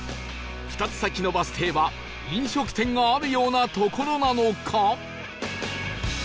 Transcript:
２つ先のバス停は飲食店があるような所なのか？